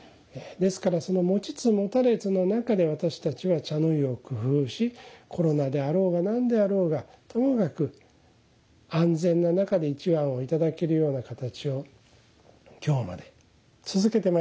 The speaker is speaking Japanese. ですからその持ちつ持たれつの中で私たちは茶の湯を工夫しコロナであろうが何であろうがともかく安全な中で一碗をいただけるような形を今日まで続けて参りました。